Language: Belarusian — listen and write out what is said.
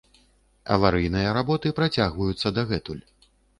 Аварыйныя работы працягваюцца дагэтуль.